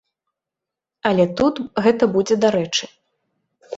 Але тут гэта будзе дарэчы.